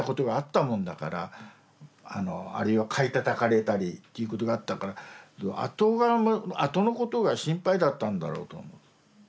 あるいは買いたたかれたりっていうことがあったから後のことが心配だったんだろうと思う。